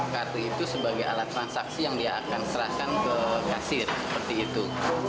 kartu itu sebagai alat transaksi yang dia akan serahkan ke kasir seperti itu